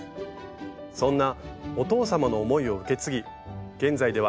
そんなお父様の思いを受け継ぎ現在では教室も開催。